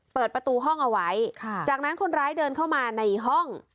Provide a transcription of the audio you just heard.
เปิดประตูห้องเอาไว้จากนั้นคนร้ายเดินเข้ามาในห้อง